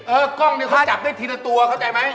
กล้องนึงเขาจับได้ทีละตัวเข้าใจไหม